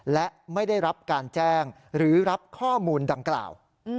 และไม่ได้รับการแจ้งหรือรับข้อมูลดังกล่าว